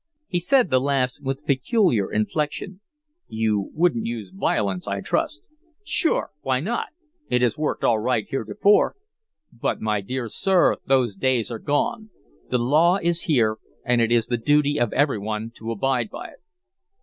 He said the last with a peculiar inflection. "You wouldn't use violence, I trust?" "Sure! Why not? It has worked all right heretofore." "But, my dear sir, those days are gone. The law is here and it is the duty of every one to abide by it."